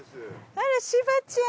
あらしばちゃん！